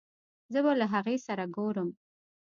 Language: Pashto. زه به له هغې سره ګورم